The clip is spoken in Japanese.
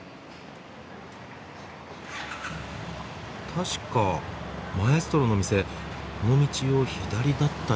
確かマエストロのお店この道を左だったような。